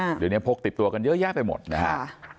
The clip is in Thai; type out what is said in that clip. เดี๋ยวนี้พกติดตัวกันเยอะแยะไปหมดนะฮะ